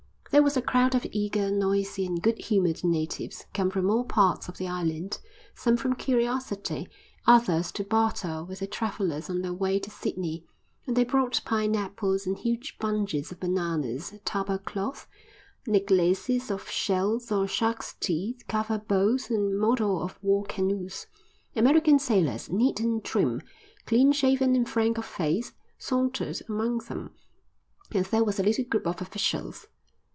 There was a crowd of eager, noisy, and good humoured natives come from all parts of the island, some from curiosity, others to barter with the travellers on their way to Sydney; and they brought pineapples and huge bunches of bananas, tapa cloths, necklaces of shells or sharks' teeth, kava bowls, and models of war canoes. American sailors, neat and trim, clean shaven and frank of face, sauntered among them, and there was a little group of officials.